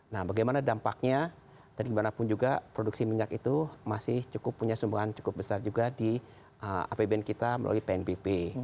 nah bagaimana dampaknya dan dimanapun juga produksi minyak itu masih cukup punya sumbangan cukup besar juga di apbn kita melalui pnbp